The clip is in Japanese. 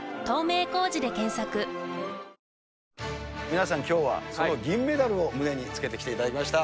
皆さん、きょうは銀メダルを胸につけてきていただきました。